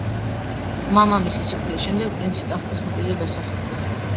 მამამისის სიკვდილის შემდეგ პრინცი ტახტის მემკვიდრედ დასახელდა.